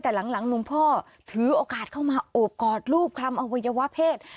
แต่หลังหลวงพ่อถือโอกาสเข้ามาโอบกอดรูปคำอวัยวะเพศ